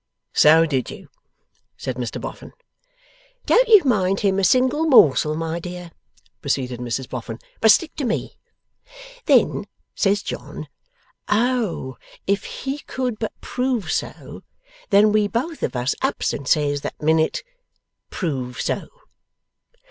'So did you,' said Mr Boffin. 'Don't you mind him a single morsel, my dear,' proceeded Mrs Boffin, 'but stick to me. Then says John, O, if he could but prove so! Then we both of us ups and says, that minute, "Prove so!"